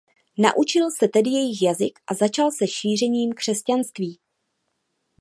Naučil se tedy jejich jazyk a začal se šířením křesťanství.